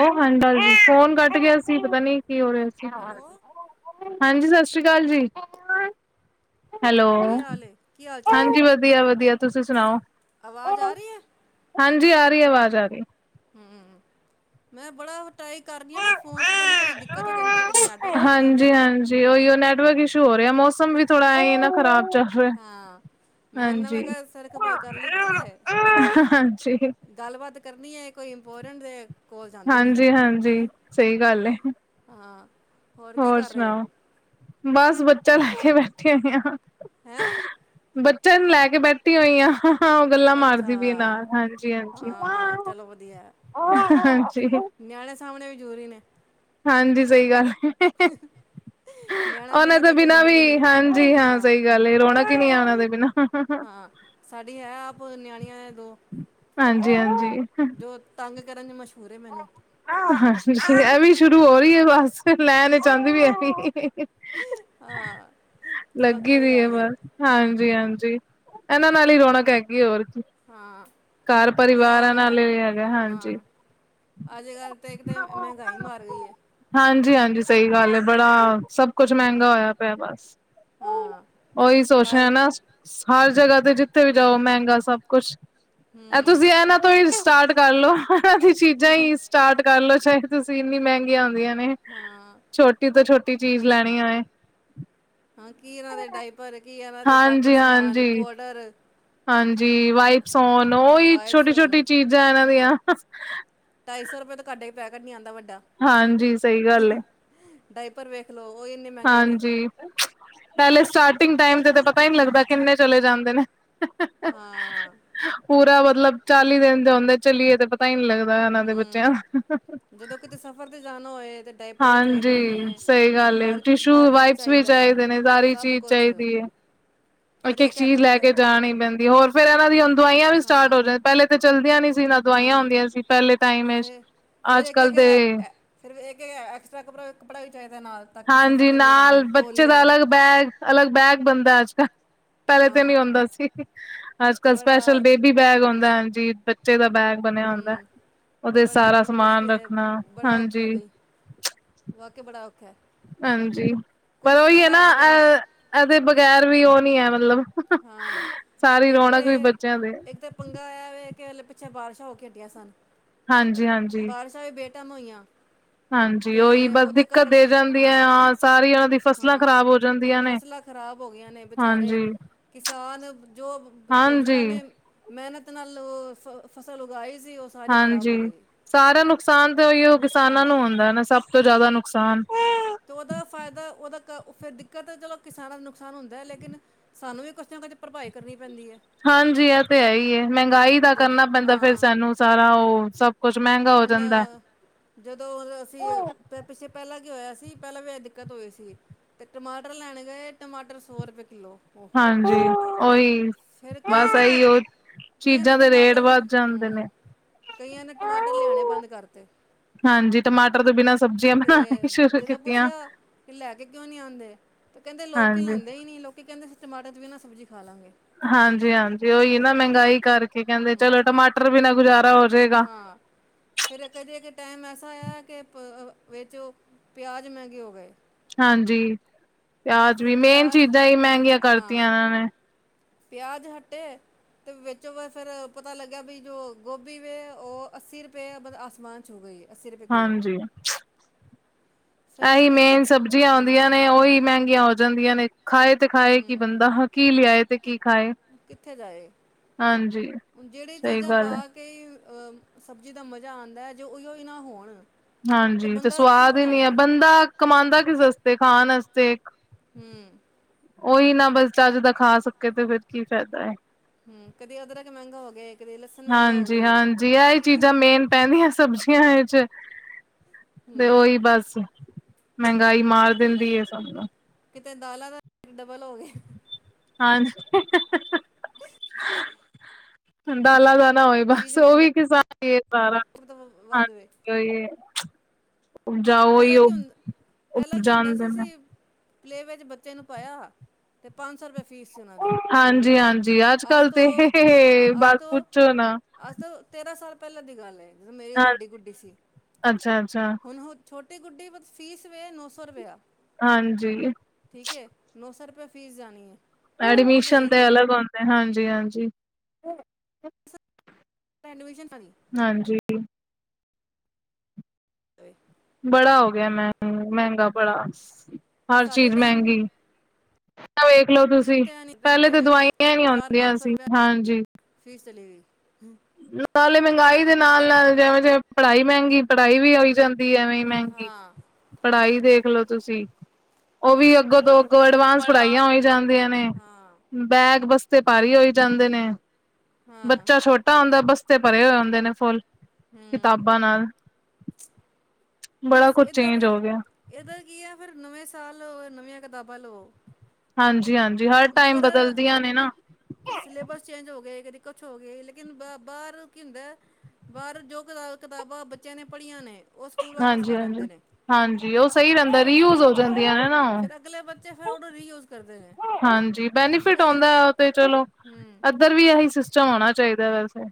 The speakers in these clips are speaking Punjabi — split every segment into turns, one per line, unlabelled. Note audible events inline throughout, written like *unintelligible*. ਏਹ ਹਾਂਡਾ ਜੀ, ਫੋਨ ਕੱਟ ਗਿਆ ਸੀ, ਪਤਾ ਨੀ, ਕੀ ਹੋ ਰੇਆ ਸੀ?
ਹੈਲੋ
ਹਾਂਜੀ, ਸਤਿ ਸ਼੍ਰੀ ਕਾਲ ਜੀ। ਹੈਲੋ,
ਹੋਰ ਕੀ ਹਾਲ ਏ ਕੀ ਹਾਲ
ਹਾਂਜੀ ਵਦੀਆ-ਵਦੀਆ, ਤੁਸੀਂ ਸੁਣਾਓ?
ਆਵਾਜ ਆ ਰਈ ਏ?
ਹਾਂਜੀ ਆ ਰਈ, ਆਵਾਜ਼ ਆ ਰਈ।
ਹੂੰ, ਮੈਂ ਬੜਾ ਟਰਾਈ ਕਰਨੀ ਆ ਨਾ ਫੋਨ ਚ ਪਤਾ ਨੀ ਕਦੀ ਦਿੱਕਤ ਹੋ ਜਾਂਦੀ ਹੈ ਕਦੀ ਨੈੱਟਵਰਕ ਚਲੇ ਜਾਂਦੇ ਨੇ।
ਜੀ ਉਹੀਓ ਨੈਟਵਰਕ ਇਸ਼ੂ ਹੋ ਰਿਹਾ, ਮੌਸਮ ਵੀ ਥੋੜਾ ਐ ਨਾ ਖਰਾਬ ਚ
ਹਾਂ ਮੈਂ ਇੰਨਾ ਮੈਂ
ਹਾਂਜੀ,
ਕਿਹਾ ਸਿਰ ਖਪਾਈ ਕਰ ਲਿੱਤੀ ਹੈ
ਹਾਂਜੀ
ਗੱਲਬਾਤ ਕਰਨੀ ਹੈ ਕੋਈ ਇੰਪੋਰਟੈਂਟ ਤੇ
ਹਾਂਜੀ -ਹਾਂਜੀ ਸਹੀ ਗੱਲ ਏ
ਹਾਂ ਕੀ
ਹੋਰ
ਕਰ ਰਹੇ ਹੋ
ਸੁਣਾਓ ਬਸ ਬੱਚਾ ਲੈ ਕੇ ਬੈਠੇ ਹੋਈ ਆ।
ਹੈਂ
ਬੱਚਿਆਂ ਨੂੰ ਲੈ ਕੇ ਬੈਠੀ ਹੋਈ ਆ ਉਹ ਗੱਲਾਂ
ਅੱਛਾ
ਮਾਰਦੀ ਪਈ ਨਾਲ ਹਾਂਜੀ- ਹਾਂਜੀ
ਚਲ ਵਧੀਆ।
ਹਾਂਜੀ
ਨਿਆਣੇ ਸਾਂਭਣੇ ਵੀ ਜ਼ੂਰਰੀ ਨੇ
ਹਾਂਜੀ ਸਹੀ ਗੱਲ
ਨਿਆਣੇ
ਉਹਨਾਂ ਦੇ
ਤਾਂ ਕੋਈ
ਬਿਨਾਂ
ਜ਼ਿੰਦਗੀ
ਵੀ
ਨਹੀਂ
ਹਾਂਜੀ, ਹਾਂ ਸਹੀ ਗੱਲ ਰੌਣਕ ਹੀ ਨਹੀ ਆ ਉਹਨਾਂ ਦੇ ਬਿਨਾਂ
ਹਾਂ ਸਾਡੀ ਹੈ ਆਪ ਨਿਆਣੀਆਂ ਦੋ
ਹਾਂਜੀ -ਹਾਂਜੀ
ਜੋ ਤੰਗ ਕਰਨ ਚ ਮਸ਼ਹੂਰ ਹੈ ਮੈਨੂੰ
ਐਵੀ ਸ਼ੁਰੂ ਹੋ ਰਹੀ ਹੈ ਬਸ, ਲੈਣੇ ਚਾਹੁੰਦੀ ਵੀ ਐ ਵੀ
ਹਾਂ ਚਲੋ
ਲੱਗੀ
ਕੋਈ
ਦੀ ਹੈ
ਗੱਲ ਨੀ
ਬਸ ਹਾਂਜੀ -ਹਾਂਜੀ, ਇਹਨਾਂ ਨਾਲ ਹੀ ਰੌਣਕ ਹੈਗੀ ਹੋਰ ਕੀ
ਹਾਂ
ਘਰ
ਯਾ
ਪਰਿਵਾਰਾਂ ਨਾਲ ਹੈਗਾ,
ਹਾਂ
ਹਾਂਜੀ
ਅੱਜ ਕੱਲ੍ਹ ਤਾਂ ਇੱਕ ਤਾਂ ਮਹਿੰਗਾਈ ਮਾਰ ਗਈ ਹੈ
ਹਾਂਜੀ- ਹਾਂਜੀ, ਸਹੀ ਗੱਲ ਹੈ ਬੜਾ ਸਭ ਕੁੱਛ
ਹੂੰ
ਮਹਿੰਗਾ ਹੋਇਆ ਪਿਆ। ਬਸ
ਹਾਂ
ਉਹੀ ਸੋਚ
ਹਰ
ਰਿਹਾ ਨਾ ਹਰ ਜਗ੍ਹਾ ਤੇ ਜਿੱਥੇ ਵੀ ਜਾਓ ਮਹਿੰਗਾ ਸਭ ਕੁਛ ਇਹ ਤੁਸੀਂ
ਹੂੰ
ਇਹਨਾਂ ਤੋਂ ਹੀ ਸਟਾਰਟ ਕਰਲੋ ਅਸੀ ਚੀਜ਼ਾਂ ਹੀ ਸਟਾਰਟ ਕਰ ਲਓ ਚਾਹੇ, ਤੁਸੀਂ ਇੰਨੀ ਮਹਿੰਗੀਆਂ ਆਉਂਦੀਆਂ ਨੇ
ਹਾਂ
ਛੋਟੀ ਤੋਂ ਛੋਟੀ ਚੀਜ਼ ਲੈਣੀ ਹੋਏ
ਹਾਂ ਕੀ ਇਹਨਾਂ ਦੇ ਡਾਇਪਰ ਕੀ ਇਹਨਾਂ ਦੇ ਬਾਕੀ
ਹਾਂਜੀ-ਹਾਂਜੀ
ਸਮਾਨ
ਹਾਂਜੀ
ਪੋਡਰ
ਹਾਂਜੀ ਵਾਈਪਸ ਹੋਨ, ਉਹੀ
ਵਾਈਪਸ
ਛੋਟੀ-
ਹੋਣ
ਛੋਟੀ ਚੀਜ਼ਾਂ ਇਹਨਾਂ ਦੀਆਂ
ਢਾਇ ਸੌ ਰੁਪਏ ਤਾਂਹਾਡਾ ਹੀ ਪੈਕਟ ਨਹੀਂ ਆਉਦਾ ਵੱਡਾ
ਹਾਂਜੀ, ਸਹੀ ਗੱਲ ਏ
ਡਾਇਪਰ ਵੇਖ ਲਓ, ਉਹ ਹੀ ਇੰਨੇ ਮਹਿੰਗੇ ਨੇ
ਹਾਂਜੀ, ਪਹਿਲੇ ਸਟਾਰਟਿੰਗ ਟਾਈਮ ਤੇ ਤਾਂ ਪਤਾ ਹੀ ਨਹੀਂ ਲੱਗਦਾ, ਕਿੰਨੇ ਚਲੇ ਜਾਂਦੇ ਨੇ।
ਹਾਂ
ਪੂਰਾ ਮਤਲਬ ਚਾਲੀ ਦਿਨ ਜਾਂ ਆਂਦੇ ਚਲੀਏ ਤੇ ਪਤਾ ਹੀ ਨਹੀਂ ਲੱਗਦਾ, ਇਹਨਾਂ ਦੇ ਬੱਚਿਆਂ
ਹੂੰ
ਦਾ
ਜਦੋਂ ਕਿਤੇ ਸਫ਼ਰ ਤੇ ਜਾਣਾ ਹੋਏ ਤੇ ਡਾਈਪਰ ਵੀ ਚਾਹੀਦੇ
ਹਾਂਜੀ,
ਨੇ,
ਸਹੀ ਗੱਲ ਏ
ਹਰ ਹਰ
ਟਿਸ਼ੂ
ਚੀਜ਼
ਵਾਈਪਸ ਵੀ
ਚਾਹੀਦਾ
ਚਾਹੀਦੇ ਨੇ
ਸਭ ਕੁਛ
ਇੱਕ -ਇੱਕ ਚੀਜ਼ ਲੈ ਕੇ ਜਾ ਪੈਂਦੀ, ਹੋਰ ਫੇਰ ਇਹਨਾਂ ਦੀਆਂ ਦਵਾਈਆਂ ਵੀ ਸਟਾਰਟ
ਹਾਂ
ਹੋ ਜਾਂ ਪਹਿਲੇ ਤੇ ਚਲਦੀਆਂ ਨੀ ਸੀ ਨਾ ਇਹ ਦਵਾਈਆਂ
ਹਾਂ
ਆਉਂਦੀਆਂ ਸੀ ਪਹਿਲੇ ਟਾਈਮ,
ਫਿਰ ਫਿਰ
ਅੱਜ
ਇੱਕ
ਕੱਲ
ਇੱਕ
ਦੇ
ਫਿਰ ਇਹ ਐਕਸਟਰਾ ਕੱਪੜਾ ਵੀ ਚਾਹੀਦਾ ਨਾਲ ਤਾਂ ਕਿ ਸਫ਼ਰ
ਹਾਂਜੀ,
ਦੇ
ਨਾਲ
ਦੌਰਾਨ
ਬੱਚੇ
ਤੋਲੀਆ
ਦਾ ਅਲੱਗ ਬੈਗ ਅਲੱਗ ਬੈਗ ਬਣਦਾ ਅੱਜ ਕੱਲ, ਪਹਿਲੇ ਤੇ
ਹਾਂ
ਨੀ ਹੁੰਦਾ ਸੀ ਅੱਜ ਕੱਲ
ਬੜਾ
ਸਪੈਸ਼ਲ ਬੇਬੀ ਬੈਗ ਆਉਂਦਾ ਹੈ ਜੀ। ਬੱਚੇ ਦਾ ਬੈਗ ਬਣਿਆ ਹੁੰਦਾ
ਹੂੰ
ਹੈ। ਉਹਦੇ
ਬੜਾ
ਸਾਰਾ
ਮੁ
ਸਮਾਨ
ਮੁਸ਼ਕਿਲ ਹੈ
ਰੱਖਣਾ, ਹਾਂਜੀ
ਵਾਕਈ ਬੜਾ ਔਖਾ
ਹਾਂਜੀ, ਪਰ
ਕੁਛ
ਉਹੀ
ਨੇ
ਹੈ ਨਾ
ਅੱਜ ਕੱਲ੍ਹ
ਅ ਇਹਦੇ ਬਗੈਰ ਵੀ ਉਹ ਨੀ ਹੈ ਮਤਲਬ
ਹਾਂ
ਸਾਰੀ
ਇੱਕ
ਰੌਣਕ ਵੀ
ਤੇ,
ਬੱਚਿਆਂ ਦੇ
ਇੱਕ ਤੇ ਪੰਗਾ ਐ ਵੇ ਕਿ ਹਲੇ ਪਿੱਛੇ ਬਾਰਿਸ਼ਾਂ ਹੋ ਕੇ ਹਟੀਆਂ ਸਨ।
ਹਾਂਜੀ, ਹਾਂਜੀ।
ਏ ਬੇ ਟੈਮ ਹੋਈਆਂ।
ਹਾਂਜੀ ਉਹੀ
ਤੇ
ਬਸ
ਓਦੇ
ਦਿੱਕਤ
ਕਾਰਨ
ਦੇ ਜਾਂਦੀ ਹੈ
ਹਾਂ,
ਸਾਰੀ ਉਹਨਾਂ ਦੀ ਫਸਲਾਂ
ਹਾਂ,
ਖ਼ਰਾਬ ਹੋ ਜਾਂਦੀਆਂ ਨੇ
ਫਸਲਾਂ ਖ਼ਰਾਬ ਹੋ ਗੀਆਂ ਨੇ ਵਚਾਰੇ
ਹਾਂਜੀ
ਕਿਸਾਨ ਜੋ ਜਿਨਾ
ਹਾਂਜੀ
ਨੇ ਮਿਹਨਤ ਨਾਲ ਫਸਲ ਉਗਾਈ ਸੀ ਸਾਰੀ ਖ਼ਰਾਬ
ਹਾਂਜੀ,
ਹੋ ਗਈ
ਸਾਰਾ ਨੁਕਸਾਨ ਤਾਂ ਓਈ ਓ, ਕਿਸਾਨਾਂ
ਹਾਂ
ਨੂੰ ਹੁੰਦਾ ਨਾ ਸਬ ਤੋਂ ਜਾਦਾ ਨੁਕਸਾਨ
ਤੇ ਓਦਾ ਫਾਏਦਾ ਓਦਾ ਕ ਫੇਰ ਦਿੱਕਤ ਚਲੋ ਕਿਸਾਨਾਂ ਦਾ ਨੁਕਸਾਨ ਹੁੰਦੈ ਲੇਕਿਨ ਸਾਨੂੰ ਵੀ ਕੁਛ ਨਾ ਕੁਛ ਭਰਪਾਈ ਕਰਨੀ ਪੈਂਦੀ ਏ।
ਹਾਂਜੀ, ਐਤੇ ਹੈਈ ਏ, ਮੈਂਗਾਈ ਦਾ
ਜ
ਕਰਨਾ ਪੈਂਦਾ ਫੇਰ
ਹਾਂ
ਸਾਨੂੰ ਸਾਰਾ ਓ, ਸਬ।
ਹੁਨ ਜਦੋਂ ਅਸੀਂ ਅ ਪਿੱਛੇ ਪੈਲਾਂ ਕੀ ਹੋਇਆ ਸੀ, ਪੈਲਾਂ ਵੀ ਐ ਦਿੱਕਤ ਹੋਈ ਸੀ। ਤੇ ਟਮਾਟਰ ਲੈਣੇ ਗਏ ਟਮਾਟਰ ਸੋ ਰਪਏ ਕਿਲੋ।
ਹਾਂਜੀ, ਓਈ
ਕਈਆਂ
ਬਸ
ਨੇ ਫਿਰ
ਐਈ ਓ
ਕਈਆਂ ਨੇ
ਚੀਜਾਂ ਦੇ ਰੇਟ
ਟਮਾਟਰ
ਵੱਦ ਜਾਂਦੇ
ਹੂੰ
ਨੇ।
ਕਈਆਂ ਨੇ ਟਮਾਟਰ ਲਿਆਣੇ ਬੰਦ ਕਰਤੇ।
ਹਾਂਜੀ ਟਮਾਟਰ ਤੋਂ ਬਿਨਾਂ ਸਬਜ਼ੀਆਂ
ਤੇ,
ਬਣਾਣੀ ਸ਼ੁਰੂ
ਜਦੋਂ
ਕੀਤੀਆਂ
ਪੁੱਛਿਆ ਕਿ ਲੈ ਕੇ ਕਿਉਂ ਨੀ ਆਂਦੇ ਤੇ ਕੈਦੇ ਲੋਕ
ਹਾਂਜੀ।
ਲੈਂਦੇ ਈ ਨੀ, ਲੋਕੀ ਕੈਂਦੇ ਅਸੀ ਟਮਾਟਰ ਤੋਂ ਬੀਨਾ ਸਬਜੀ ਖਾ ਲਾਂਗੇ।
ਹਾਂਜੀ, ਹਾਂਜੀ ਓਈ ਏ ਨਾ ਮਹਿਗਾਈ ਕਰਕੇ ਕਹਿੰਦੇ ਦੇ
ਹੂੰ
ਚਲੋ ਟਮਾਟਰ ਬਿਨਾ ਗੁਜਾਰਾ ਹੋ ਜੇਗਾ।
ਹਾਂ ਫਿਰ ਅਗੇ, ਅਗੇ ਇੱਕ ਟੈਮ ਐਸਾ ਆਏਆ ਕੇ ਪ ਵਿੱਚ ਓ ਪਿਆਜ਼ ਮੈਂਗੇ ਹੋ ਗਏ।
ਹਾਂਜੀ, ਪਿਆਜ
ਫਿਰ
ਵੀ ਮੇਨ
ਪਿਆਜ਼
ਚੀਜ਼ਾਂ ਮਹਿਗੀਆਂ ਕਰਤੀਆਂ ਐਨਾਂ ਨੇ।
ਪਿਆਜ ਹਟੇ ਤੇ ਵਿੱਚੋ ਵ ਫੇਰ ਪਤਾ ਲੱਗੇਆ ਵੀ ਜੋ ਗੋਬੀ ਵੇ, ਓ ਅੱਸੀ ਰੂਪਏ ਅ ਆਸਮਾਨ ਛੂ ਗਈ ਅੱਸੀ ਰੂਪਏ ਕਿਲੋ।
*inaudible* ਇਹੀ
ਲੋਕੀ ਫਿਰ
ਮੇਨ ਸਬਜੀਆਂ
ਹਾਂ
ਹੋਂਦੀਆਂ ਨੇ ਓਈ ਮੈਂਗੀਆਂ ਹੋ ਜਾਂਦੀਆਂ ਨੇ, ਖਾਏ ਤੇ ਖਾਏ ਕੀ
ਹੂੰ
ਬੰਦਾ। ਕੀ ਲਿਆਏ ਤੇ ਕੀ ਖਾਏ।
ਕਿੱਥੇ ਜਾਏ,
ਹਾਂਜੀ
ਹੁਨ ਜਿਹੜੀ
ਸਹੀ
ਚੀਜ਼ਾਂ
ਗੱਲ
ਪਾ
ਹੈ
ਕਈ ਅ ਸਬਜ਼ੀ ਦਾ ਮਜ਼ਾ ਆਂਦਾ ਏ, ਜੇ ਓਈ ਓ ਨਾ ਹੋਣ
ਹਾਂਜੀ, ਤੇ
ਬੰਦਾ ਕੀ
ਸਵਾਦ ਈ ਨੀ ਐ
ਬਣਾਏ
ਬੰਦਾ ਕਮਾਂਦਾ ਕਿਸ ਵਸਤੇ ਖਾਨ ਵਾਸਤੇ ਏਕ।
ਹੂੰ।
ਓਈ ਨਾ, ਬਸ ਚੱਜ ਦਾ ਖਾ ਸਕੇ ਤੇ ਫਿਰ ਕੀ ਫੈਦਾ ਐ।
ਹੂੰ, ਕਦੇ ਅਦਰਕ ਮੈਂਗਾ ਹੋ ਗਿਆ ਆ
ਹਾਂਜੀ, ਹਾਂਜੀ, ਐ ਈ ਚੀਜਾ ਮੇਨ ਪੈਂਦੀਆਂ ਸਬਜੀਆਂ ਏਚ ਤੇ
ਹੂੰ
ਓਈ ਬਸ। ਮਹਿਗਾਈ ਮਾਰ ਦਿੰਦੀ ਏ ਸਬ ਨੂ।
ਕਿਤੇ ਦਾਲਾਂ ਦਾ *unintelligible* ਡਬਲ ਹੋ ਗਿਆ।
ਹਾਂਜੀ। ਹੂਨ ਦਾਲਾ ਦਾ, ਨਾ ਹੋਏ ਬਸ
ਚੀਜ਼
ਓਈ
ਮਹਿੰਗਾ
ਕਿਸਾ
ਵੱਧ ਵੇ ਪਹਿਲਾਂ ਕੀ ਹੁੰਦਾ ਪਹਿਲਾਂ ਕੀ ਹੁੰਦਾ
*unintelligible*
ਸੀ ਸੀ
*unintelligible*
ਪਲੇ ਵੈਹ ਚ ਬੱਚੇ ਨੂੰ ਪਾਇਆ ਤੇ ਪੰਜ ਸੋ ਰਪੇ--ਆ ਫੀਸ ਸੀ ਓਨਾਂ ਦੀ
ਹਾਂਜੀ-ਹਾਂਜੀ
ਅੱਜ
ਅੱਜ-ਕੱਲ ਤੇ
ਤੋਂ, ਹਾਂ ਅੱਜ
ਬਸ
ਤੋਂ
ਪੁੱਛੋ ਨਾ।
ਅੱਜ ਤੋ ਤੇਰਾਂ ਸਾਲ ਪੈਲਾਂ ਦੀ ਗੱਲ ਏ, ਜਦੋਂ ਮੇਰੀ ਵੱਡੀ ਗੁੱਡੀ ਸੀ,
ਅੱਛਾ-ਅੱਛਾ
ਹੁਨ ਓ ਛੋਟੀ ਗੁੱਡੀ ਵ ਫ਼ੀਸ ਵੇ ਨੋ ਸੋ ਰੁਪਏ।
ਹਾਂਜੀ।
ਠੀਕ ਹੈ ਨੋ ਸੋ ਰੁਪਏ ਫੀਸ ਜਾਨੀ ਏ
ਐਡਮਿਸ਼ਨ ਤੇ ਅਲਗ ਹੂੰਦੇ ਹਾਂਜੀ ਹਾਂਜੀ।
ਰੈਨੋਵਿਸ਼ਨੀ
ਹਾਂਜੀ।
*inaudible*
ਬੜਾ ਹੋ ਗਿਆ ਮੈ ਮਹਿੰਗਾ ਬਰਾ ਹਰ
ਸਾਡੇ
ਚੀਜ਼
ਟਾਈਮ
ਮਹਿੰਗੀ ਵੇਖ ਲੋ ਤੁਸੀਂ,
ਤੇ ਨਹੀਂ ਟਾਈਮ
ਪਹਿਲੇ
ਤੇ
ਤਾਂ
ਬਈ
ਦਵਾਈਆਂ ਨੀ ਆਉਂਦੀਆਂ ਸੀ,
ਰੁਪਏ
ਹਾਂਜੀ।
ਫੀਸ, ਚਲੀ ਗਈ।
ਨਾਲੇ ਮਹਿੰਗਾਈ ਦੇ ਨਾਲ- ਨਾਲ, ਜਿਵੇਂ- ਜਿਵੇਂ, ਪੜਾਈ ਮਹਿੰਗੀ, ਪੜਾਈ ਵੀ ਔਈ ਜਾਂ ਐਵੇਂ ਮਹਿੰਗੀ,
ਹਾਂ
ਪੜਾਈ ਦੇਖਲੋ ਤੁਸੀਂ, ਉਹ ਵੀ ਅੱਗੋਂ ਤੋਂ ੳਤੋ ਐਡਵਾਂਸ ਪੜਾਈਆਂ, ਹੋਈ ਜਾਂਦੀਆਂ ਨੇ।
ਹਾਂ
ਬੈਗ, ਬਸਤੇ ਭਾਰੀ ਹੋਈ, ਜਾਂਦੇ ਨੇ,
ਹਾਂ
ਬੱਚਾ ਛੋਟਾ ਓਂਦੇ ਬਸਤੇ ਭਰੇ, ਹੋਏ ਹੋਂਦੇ ਨੇ ਫੂਲ।
ਹੂੰ
ਕਿਤਾਬਾਂ ਨਾਲ। ਬੜਾ ਕੁਜ, ਚੇਂਜ ਹੋ ਗਿਆ।
ਏਦਾ ਕੀ ਆ, ਫੇਰ ਨਵੇਂ ਸਾਲ, ਨਵੀਆਂ ਕਤਾਬਾਂ ਲਵੋ।
ਹਾਂਜੀ- ਹਾਂਜੀ, ਹਰ ਟਾਈਮ,
ਮਗਰ
ਬਦਲਦੀਆਂ ਨੇ ਨਾ।
ਸਿਲੇਬਸ ਚੇਂਜ ਹੋ ਗਏ। ਕਦੀ ਕੁਛ ਹੋ ਗਈ। ਲੇਕਿਨ ਬਾ, ਬਾਹਰ ਕੀ ਹੁੰਦਾ ੲੈ। ਬਾਹਰ ਜੋ ਕ ਕਿਤਾਬਾਂ, ਬੱਚਿਆਂ ਨੇ ਪੜੀਆਂ ਨੇ ਉਹ ਸਕੂਲ ਵਾਪਿਸ,
ਹਾਂਜੀ
ਕਾਰ
ਹਾਂਜੀ
ਆਂਦੇ ਨੇ,
ਹਾਂਜੀ ਉਹ ਸਹੀ ਰਹਿੰਦਾ
ਫੇਰ
ਰੀਯੂਜ ਹੋ
ਹਾਂ,
ਜਾਂਦੀਆਂ ਨੇ ਨਾ ਉਹ
ਫੇਰ ਅਗਲੇ ਬੰ ਬੱਚੇ ਉਹਨੂੰ, ਰੀਯੂਜ ਕਰਦੇ ਨੇ।
ਹਾਂਜੀ। ਬੈਨੀਫਿਟ
ਜੇਕਰ
ਆਉਂਦਾ, ਉਹ ਤੇ ਚਲੋ।
ਹੂੰ
ਇੱਧਰ ਵੀ ਇਹੀ, ਸਿਸਟਮ ਹੋਣਾ ਚਾਹੀਦਾ, ਵੈਸੇ।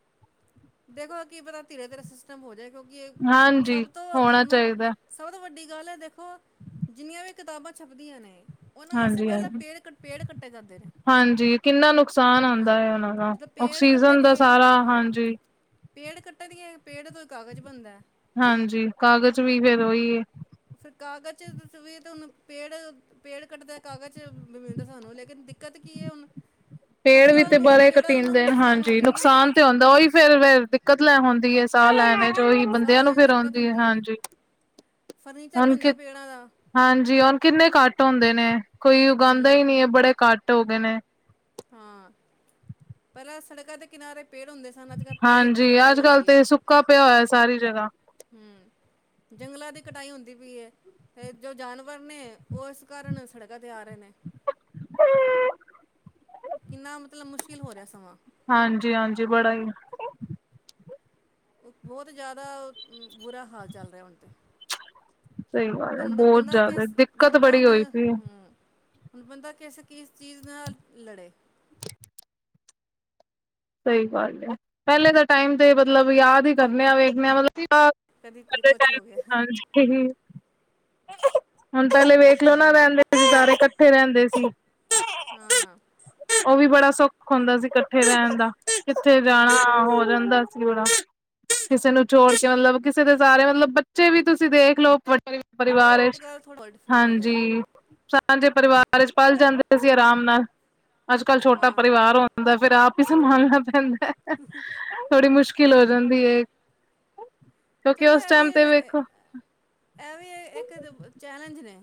ਦੇਖੋ ਕੀ ਪਤਾ, ਧੀਰੇ- ਧੀਰੇ, ਸਿਸਟਮ ਹੋ ਜਾਏ। ਕਿਉਂਕਿ ਇਹ
ਹਾਂਜੀ
ਸਭ
ਹੋਣਾ
ਤੋਂ
ਚਾਹੀਦਾ
ਸਭ ਤੋਂ ਵੱਡੀ, ਗੱਲ ਹੈ ਦੇਖੋ, ਜਿੰਨੀਆਂ ਵੀ ਕਿਤਾਬਾਂ ਛਪਦੀਆਂ ਨੇ ਉਹਨਾਂ ਵਾਸਤੇ,
ਹਾਂਜੀ
ਪਹਿਲਾਂ
ਹਾਂਜੀ
ਪੇੜ, ਪੇੜ ਕੱਟੇ ਜਾਂਦੇ ਨੇ।
ਹਾਂਜੀ। ਕਿੰਨਾ ਨੁਕਸਾਨ ਆਉਂਦਾ
ਹਾਂ
ਹੈ। ਉਹਨਾਂ ਦਾ,
ਜਦੋਂ ਪੇੜ
ਆਕਸੀਜਨ ਦਾ,
ਕੱਟਣਗੇ
ਸਾਰਾ
ਹਾਂ
ਹਾਂਜੀ।
ਪੇੜ ਕੱਟਣਗੇ, ਪੇੜ ਤੋਂ ਕਾਗਜ਼ ਬਣਦਾ ਏ।
ਹਾਂਜੀ। ਕਾਗਜ਼ ਵੀ, ਫੇਰ ਉਹੀ ਏ।
ਫੇਰ ਕਾਗਜ਼ ਚ, ਵੀ ਤਾਂ ਹੂੰਨ ਪੇੜ ਪੇੜ ਕੱਟਦਾ ਕਾਗਜ਼ ਵੀ ਮਿਲਦਾ, ਸਾਨੂੰ ਲੇਕਿਨ ਦਿੱਕਤ ਕੀ ਏ ਹੁਣ
ਪੇੜ ਵੀ
ਫਸਲਾਂ
ਤੇ,
ਨੂੰ
ਬਾਰੇ
ਪੇੜਾਂ ਨੂੰ
ਕਟੀਂਦੇ।
ਨੁਕਸਾਨ ਹੋ
ਹਾਂਜੀ।
ਰਿਹਾ ਨਾ
ਨੁਕਸਾਨ ਤੇ ਹੁੰਦਾ। ਉਹੀ ਫੇਰ ਦਿੱਕਤ ਲੈ ਆਉਦੀ ਏ। ਸਾਹ
ਹਾਂ
ਲੈਣੇ ਵਿਚ, ੳਹੀ
ਸਾਹ
ਬੰਦਿਆਂ ਨੂੰ
ਲੈਣ
ਫੇਰ,
ਦਿੱਕਤ
ਆਉਂਦੀ
ਹੁੰਦੀ ਹੈ
ਹਾਂਜੀ।
ਫਰਨੀਚਰ
ਹੁਣ ਕਿ
ਬਣਦਾ ਪੇੜਾਂ ਦਾ
ਹਾਂਜੀ। ਹੁਨ ਕਿੰਨੇ ਕੱਟ ਹੁੰਦੇ ਨੇ, ਕੋਈ ਉਗਾਉਂਦਾ ਹੀ,
ਹੂੰ
ਨਹੀਂ ਏ। ਬੜੇ ਕੱਟ ਹੋ ਗਏ ਨੇ।
ਹਾਂ ਪਹਿਲਾਂ ਸੜਕਾਂ ਦੇ ਕਿਨਾਰੇ ਪੇੜ ਹੁੰਦੇ ਸਨ। ਅੱਜ ਕਲ ਪੇੜ ਦੀ,
ਹਾਂਜੀ
ਕਟਾਈ
ਅੱਜ
ਹੋ
ਕੱਲ
ਗਈ ਏ।
ਤੇ ਸੁੱਕਾ ਪਿਆ, ਹੋਇਆ ਸਾਰੀ ਜਗਾ।
ਹੂੰ। ਜੰਗਲਾਂ ਦੀ ਕਟਾਈ, ਹੁੰਦੀ ਪਈ ਏ। ਫੇਰ ਜੋ ਜਾਨਵਰ ਨੇ, ਉਹ ਇਸ ਕਾਰਨ ਸੜਕਾਂ ਤੇ ਆ, ਰਹੇ ਨੇ। ਕਿੰਨਾ ਮਤਲਬ, ਮੁਸ਼ਕਿਲ ਹੋ ਰਿਹਾ, ਸਮਾਂ।
ਹਾਂਜੀ- ਹਾਂਜੀ, ਬੜਾ ਈ।
ਉਹ ਬਹੁਤ ਜਿਆਦਾ, ਬੁਰਾ ਹਾਲ ਚੱਲ, ਰਿਹਾ ਹੁਣ ਤੇ।
ਸਹੀ ਗੱਲ ਹੈ
ਬੰਦਾ,
ਬਹੁਤ
ਬੰਦਾ
ਜ਼ਿਆਦਾ
ਕਿਸ,
ਦਿੱਕਤ
ਬੰਦਾ
ਬੜੀ
ਉਹਨੇ।
ਹੋਈ ਸੀ
ਹੂੰ। ਹੁਣ ਬੰਦਾ, ਕਿਸੇ ਕਿਸ ਚੀਜ਼, ਦੇ ਨਾਲ ਲੜੇ।
ਸਈ ਗੱਲ ਏ, ਪੈਲੇ ਤਾਂ ਟੈਮ ਤੇ ਮਤਲਬ ਯਾਦ ਈ ਕਰਨੇ ਆ, ਵੇਖਨੇ ਆਂ ਮਤਲਬ
ਕਦੀ ਕਦੀ ਕੁਛ ਹੋ ਗਿਆ
*unintelligible* ਹੋਨ ਪੈਲੇ ਵੇਖ ਲੋ ਨਾ
ਹੂੰ
ਰੈਂਦੇ ਸੀ, ਸਾਰੇ ਕੱਠੇ ਰੈਂਦੇ ਸੀ।
ਹਾਂ
ਓ ਵੀ ਬੜਾ ਸੋਖ, ਹੋਂਦਾ ਸੀ ਕੱਠੇ ਰੈਣ ਦਾ। ਕਿੱਥੇ
ਹੂੰ
ਜਾਣਾ, ਹੋ ਜਾਂਦਾ ਸੀ ਬੜਾ ਕਿਸੇ ਨੂੰ ਛੋੜ ਕੇ, ਮਤਲਬ ਕਿਸੇ ਦੇ ਸਾਰੇ, ਮਤਲਬ ਬੱਚੇ ਵੀ ਤੁਸੀਂ ਦੇਖ ਲਓ ਵੱ ਪਰ ਪਰਿਵਾਰ
ਇਹ
ਵਿਚ,
ਗੱਲ ਥੋੜ੍ਹਾ ਡਿਫਰੈਂਟ ਹੋ ਗਿਆ
ਹਾਂਜੀ। ਸਾਂਝੇ ਪਰਿਵਾਰ ਵਿੱਚ, ਪਲ ਜਾਂਦੇ ਸੀ। ਆਰਾਮ ਨਾਲ। ਅੱਜ ਕੱਲ ਛੋਟਾ,
ਹਾਂ
ਪਰਿਵਾਰ ਹੁੰਦਾ ਹੈ। ਫੇਰ ਆਪ ਹੀ ਸੰਭਾਲਣਾ ਪੈਂਦਾ, ਥੋੜੀ ਮੁਸ਼ਕ ਮੁਸ਼ਕਿਲ ਹੋ ਜਾਂਦੀ ਐ। ਕਿਉਂਕਿ
ਚਲੋ
ਉਸ
ਇਹ
ਟਾਈਮ ਤੇ
ਵੀ
ਵੇਖੋ
ਇਹ ਵੀ, ਇੱਕ ਚੈਲੇਂਜ ਨੇ।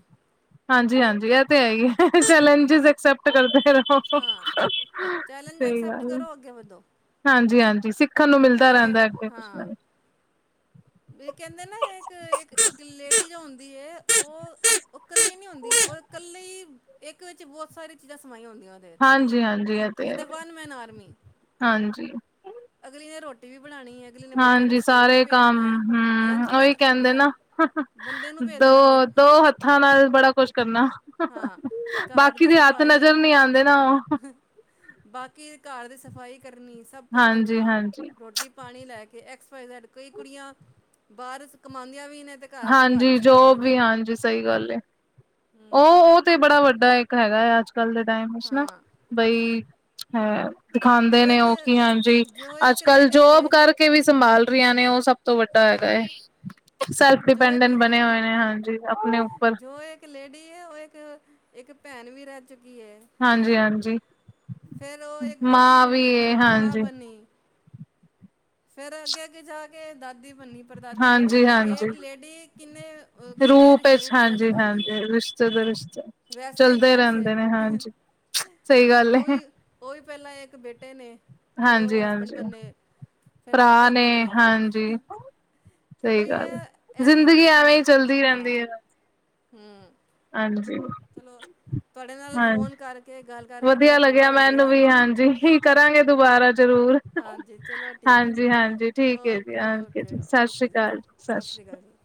ਹਾਂਜੀ- ਹਾਂਜੀ, ਇਹ ਤੇ ਹੈ ਹੀ ਏ। ਚੈਲੇਂਜਿਸ ਐਕਸੈਪਟ ਕਰਦੇ ਰੋ।
ਹਾਂ ਚੈਲੰਜ
ਸਹੀ
ਐਕਸੈਪਟ
ਗੱਲ ਏ।
ਕਰੋ ਅੱਗੇ ਵਧੋ
ਹਾਂਜੀ- ਹਾਂਜੀ, ਸਿ ਦੇਖਣ ਨੂੰ, ਮਿਲਦਾ
ਜੇ
ਰਹਿੰਦਾ, ਅੱਗੇ ਕੁਛ ਨਾ
ਹਾਂ
ਕੁਛ।
ਵੀ ਕੈਂਦੇ ਨਾ ਏਕ, ਏਕ, ਏਕ ਲੇੜੀ ਜੋ ਹੁੰਦੀ ਏ ਓ ਓ ਕੱਲੀ ਨੇ ਹੁੰਦੀ ਓ ਕੱਲੇ ਈ, ਏਕ ਚ ਬੋਤ ਸਾਰੀ ਚੀਜਾ ਸਮਾਈਆਂ ਹੋਂਦੀਆਂ ਓਦੇ
ਹਾਂਜੀ, ਹਾਂਜੀ।
ਕੈਂਦੇ ਵਨ ਮੈਨ ਆਰ ਮੀ,
ਹਾਂਜੀ-ਹਾਂਜੀ
ਅਗਲੀਯਾ ਰੋਟੀ ਰੋਟੀ ਵੀ ਬਣਾਣੀ ਐ, ਅਗਲੀ ਨੇ ਬੱਚੇਆਂ ਨੂੰ ਸਕੂਲ ਵੀ
ਸਾਰੇ ਕੰਮ
ਭੇਜਨੈ, ਲੰਚ ਪੈਕ ਕਰਨੈ।
ਦੋ, ਦੋ ਹੱਥਾਂ ਨਾਲ ਬੜਾ ਕੋਛ ਕਰਨਾ।
ਹਾਂ ਘਰ
ਬਾਕੀ
ਦੀ
ਦੇ ਹਾਤ
ਸਫਾਈ
ਨਜਰ ਨੀ ਆਂਦੇ ਨਾ।
ਬਾਕੀ ਘਾਰ ਦੀ ਸਫਾਈ ਕਰਨੀ, ਸਬ ਕੋਛ ਕਰਨਾ
ਹਾਂਜੀ-ਹਾਂਜੀ
ਰੋਟੀ ਪਾਣੀ ਲੈ ਕੇ, ਐਕਸ ਵਾਈ ਜ਼ੈਡ, ਕਈ ਕੁੜੀਆਂ ਬਾਰ ਚ ਕਮਾਂਦੀਆਂ ਵੀ ਨੇ ਤੇ ਘਰ ਆ ਕੇ ਘਰ ਵੀ
ਹਾਂਜੀ,
ਸਾਂਭਦੀਆਂ
ਜੋਬ
ਨੇ
ਵੀ ਹਾਂਜੀ ਸਈ ਗੱਲ ਏ ਓ, ਓ ਤੇ ਬੜਾ ਵੱਡਾ ਏਕ ਹੈਗੈ, ਅੱਜ-ਕੱਲ ਦੇ ਟਾਈਮ ਵਿੱਚ ਨਾ
ਹਾਂ
ਬਈ ਹੈ,
ਜੋ
ਦਿਖਾਂਦੇ ਨੇ
ਇੱਕ
ਓ ਕਿ ਹਾਂਜੀ,
ਜੋ ਇੱਕ
ਅੱਜ-ਕੱਲ
ਲੇਡੀਜ਼
ਜੋਬ
ਹੈ
ਕਾਰ ਬੱਚੇ ਵੀ ਸੰਭਾਲ ਰਈਆਂ ਨੇ ਓ ਸਬ ਤੋਂ ਵੱਡਾ ਹੈਗੈ
ਹਾਂ
ਏ। ਸੈ
ਜੋ ਇੱਕ
ਡਿਪੈਂਡੰਨ ਬਨੇਯਾ ਹੋਏਆ ਏ ਹਾਂਜੀ ਆਪਨੇ ਉੱਪਰ।
ਜੋ ਇੱਕ ਲੇੜੀ ਏ, ਓ ਏਕ, ਏਕ ਭੈਨ ਵੀ ਰੈ ਚੁੱਕੀ ਏ।
ਹਾਂਜੀ, ਹਾਂਜੀ
ਉਹ ਇੱਕ ਵੋਟੀ
ਮਾਂ ਵੀ
ਬਣੀ
ਏ,
ਫਿਰ ਮਾਂ
ਹਾਂਜੀ।
ਫੇਰ ਅੱਗੇ, ਅੱਗੇ ਜਾ ਕੇ ਦਾਦੀ ਬਨੀ ਪੜਦਾਦੀ ਬਨੀ। ਵ
ਹਾਂਜੀ-ਹਾਂਜੀ
ਏਕ ਲੇੜੀ ਕਿੰਨੇ, ਕਿੰਨੇ ਅ ਰਿਸ਼ਤੇ, ਰਿਸ਼ਤੇ ਨਿਭਾਂਦੀ ਏ।
ਜਦੋ, ਰਿਸ਼ਤੇ ਚੱਲਦੇ
ਹੈ
ਰੈਂਦੇ ਨੇ ਹਾਂਜੀ, ਸਈ ਗਾਲ ਏ।
ਓਈ ਵੀ ਪੈਲਾਂ ਏਕ ਬੇਟੇ ਨੇ, ਫੇਰ ਓ ਹਸਬੰਡ
ਹਾਂਜੀ-ਹਾਂਜੀ
ਬਨੇ।
ਭਰਾ ਨੇ ਹਾਂਜੀ।
ਤੇ
ਸਈ
ਬਈ
ਗਾਲ ਏ,
ਇਹ ਇਹ
ਜ਼ਿੰਦਗੀ
ਵੀ
ਐਵੇਂ ਈ ਚੱਲਦੀ
ਹਾਂ
ਰੈਂਦੀ ਏ।
ਹੂੰ।
ਹਾਂਜੀ।
ਚਲੋ, ਤੁਆੜ ਨਾਲ ਫ਼ੋਨ ਕਰਕੇ ਗਾੱਲ
ਵਦੀਆ ਲੱਗੇਆ ਮੈਨੂੰ ਵੀ ਹਾਂਜੀ, ਹੀ ਕਰਾਂਗੇ ਦੁਬਾਰਾ ਜਰੂਰ।
ਹਾਂਜੀ ਚਲੋ ਠੀਕ ਹੈ
ਹਾਂਜੀ,
ਜੀ
ਹਾਂਜੀ
ਓ
ਠੀਕ ਏ ਜੀ ਹਾਂਜੀ
ਓਕੇ
ਜੀ ਸਾਸ੍ਰੀ
ਓਕੇ
ਕਾਲ ਜੀ,
ਸਤਿ ਸ਼੍ਰੀ
ਸਾਸ੍ਰੀ
ਅਕਾਲ
ਕਾਲ।
ਜੀ